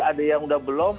ada yang udah belum